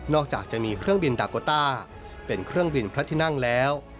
จากจะมีเครื่องบินดาโกต้าเป็นเครื่องบินพระที่นั่งแล้ว